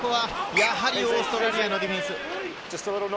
やはりオーストラリアのディフェンス。